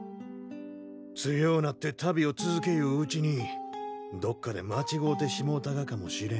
強うなって旅を続けゆううちにどっかで間違うてしもうたがかもしれん。